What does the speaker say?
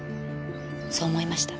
そう思いました。